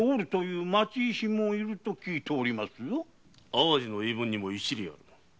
淡路守の言い分にも一理ある。